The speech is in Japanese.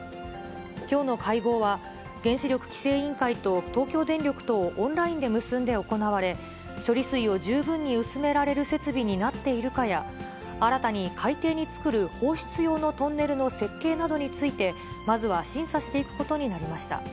きょうの会合は、原子力規制委員会と東京電力とをオンラインで結んで行われ、処理水を十分に薄められる設備になっているかや、新たに海底に作る放出用のトンネルの設計などについて、まずは審査していくことになりました。